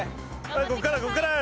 ここからここから！